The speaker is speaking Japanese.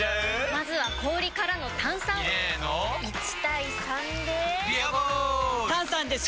まずは氷からの炭酸！入れの１：３で「ビアボール」！